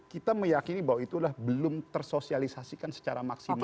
kita meyakini bahwa itu adalah belum tersosialisasikan secara maksimal